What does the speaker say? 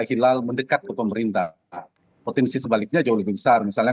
hilal mendekat ke pemerintah potensi sebaliknya jauh lebih besar misalnya